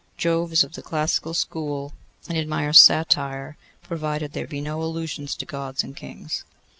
Jove is of the classical school, and admires satire, provided there be no allusions to Gods and kings.